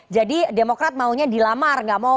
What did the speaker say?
jadi demokrat maunya dilamar gak mau